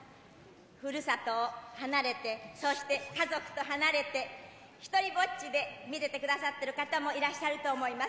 ふるさとを離れてそして家族と離れて独りぼっちで見ててくださっている方もいらっしゃると思います。